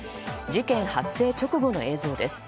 事件発生直後の映像です。